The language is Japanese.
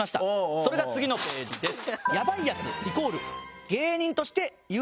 それが次のページです。